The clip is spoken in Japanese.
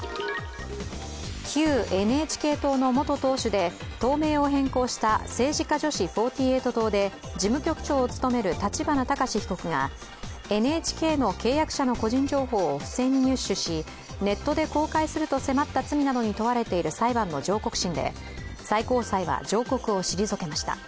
旧ＮＨＫ党の元党首で党名を変更した政治家女子４８党で事務局長を務める立花孝志被告がＮＨＫの契約者の個人情報を不正に入手し、ネットで公開すると迫った罪などに問われている裁判の上告審で最高裁は上告を退けました。